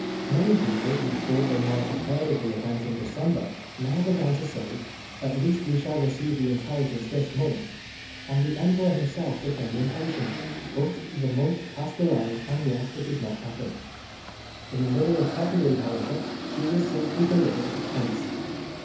Many people, who thought that they might have heard of the event in December, now began to say, "At least we shall receive the intelligence this month," and the Emperor himself became impatient; but the month passed away, and yet it did not happen. In the middle of February, however, she was safely delivered of a Prince.